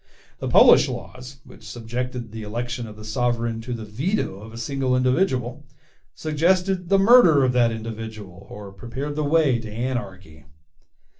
The Polish laws, which subjected the election of the sovereign to the veto of a single individual, suggested the murder of that individual or prepared the way to anarchy.